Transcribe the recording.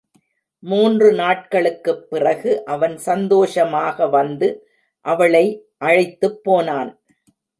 மூன்று நாட்களுக்குப் பிறகு அவன் சந்தோஷமாக வந்து, அவளை அழைத்துப் போனான்.